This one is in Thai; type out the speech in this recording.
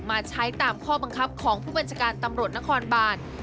มาใช้ตามข้อบังคับของผู้บัญชาการตำรวจนครบาน